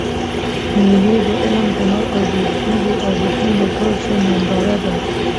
مېلې د علم، هنر او دودیزو ارزښتو د ګډ ژوند ننداره ده.